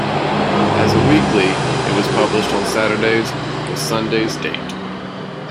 As a weekly, it was published on Saturdays, with Sunday's date.